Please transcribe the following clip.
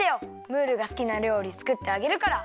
ムールがすきなりょうりつくってあげるから。